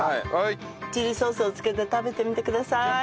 チリソースをつけて食べてみてください。